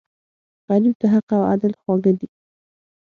غریب ته حق او عدل خواږه دي